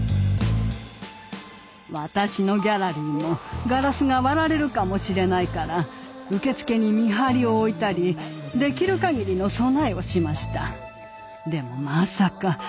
私のギャラリーもガラスが割られるかもしれないから受付に見張りを置いたりできるかぎりの備えをしました。